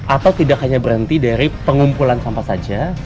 atau tidak hanya berhenti dari pengumpulan sampah saja